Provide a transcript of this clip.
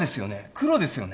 黒ですよね